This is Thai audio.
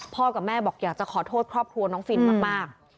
กับแม่บอกอยากจะขอโทษครอบครัวน้องฟินมาก